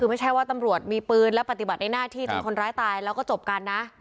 คือไม่ใช่ว่าตำรวจมีปืนและปฏิบัติในหน้าที่จนคนร้ายตายแล้วก็จบกันนะ